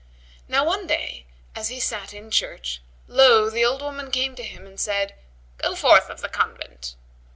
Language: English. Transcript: Now one day as he sat in church, lo! the old woman came to him and said, "Go forth of the convent."